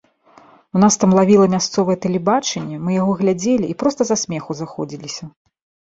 У нас там лавіла мясцовае тэлебачанне, мы яго глядзелі і проста са смеху заходзіліся.